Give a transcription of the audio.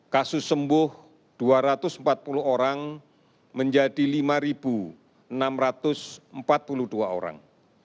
kasus sembuh dua ratus empat puluh orang menjadi lima enam ratus empat puluh dua orang